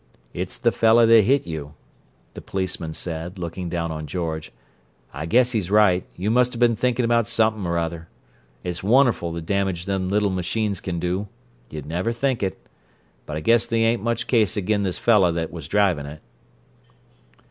"It's the fella that hit you," the policeman said, looking down on George. "I guess he's right; you must of been thinkin' about somep'm' or other. It's wunnerful the damage them little machines can do—you'd never think it—but I guess they ain't much case ag'in this fella that was drivin' it."